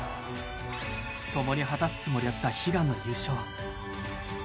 ともに果たすつもりだった悲願の優勝。